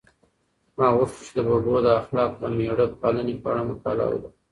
ما غوښتل چې د ببو د اخلاقو او مېړه پالنې په اړه مقاله ولیکم.